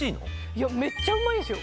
いやめっちゃうまいんですよ